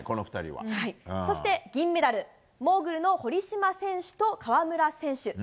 そして銀メダルモーグルの堀島選手と川村選手。